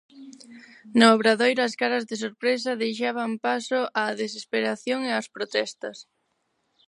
No Obradoiro ás caras de sorpresa, deixaban paso á desesperación e ás protestas.